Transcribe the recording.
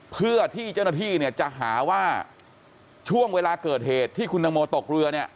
เพื่อที่เจ้าหน้าที่เนี่ยจะหาว่าช่วงเวลาเกิดเหตุที่คุณตังโมตกเรือเนี่ย